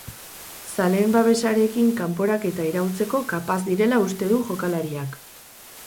Zaleen babesarekin kanporaketa iraultzeko kapaz direla uste du jokalariak.